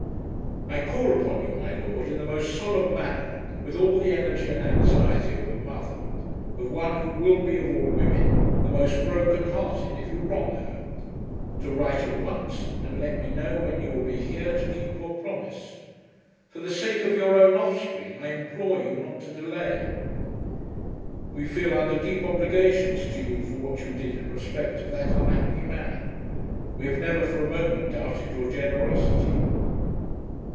I call upon you, my lord, in the most solemn manner, with all the energy and anxiety of a mother, of one who will be of all women the most broken hearted if you wrong her, to write at once and let me know when you will be here to keep your promise. For the sake of your own offspring I implore you not to delay. We feel under deep obligations to you for what you did in respect of that unhappy man. We have never for a moment doubted your generosity.